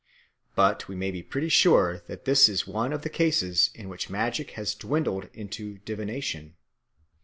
But we may be pretty sure that this is one of the cases in which magic has dwindled into divination.